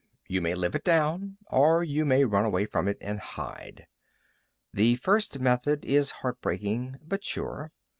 You may live it down; or you may run away from it and hide. The first method is heart breaking, but sure.